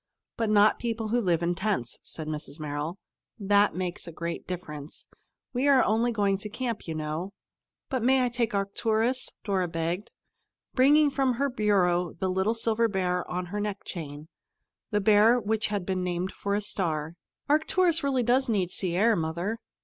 "But not people who live in tents," said Mrs. Merrill. "That makes a great difference. We are only going to camp, you know." "But I may take Arcturus?" Dora begged, bringing from her bureau the little silver bear on her neck chain, the bear which had been named for a star. "Arcturus does really need sea air, Mother."